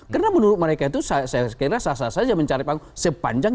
karena menurut mereka itu saya rasa saja mencari panggung